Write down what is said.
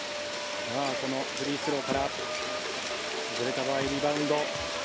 このフリースローから始まるリバウンド。